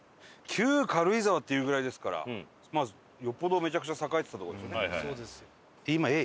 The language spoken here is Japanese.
旧軽井沢っていうぐらいですからよっぽどめちゃくちゃ栄えてたとこでしょうね。